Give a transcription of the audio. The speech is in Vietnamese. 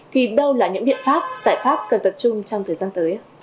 thì đâu là những biện pháp giải pháp cần tập trung trong thời gian tới